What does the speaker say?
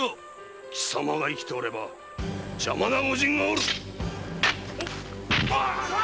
貴様が生きておれば邪魔な御仁がおる！